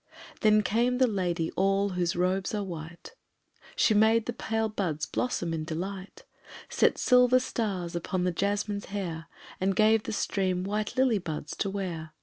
Then came the lady all whose robes are white: She made the pale buds blossom in delight, Set silver stars upon the jasmine's hair, And gave the stream white lily buds to wear.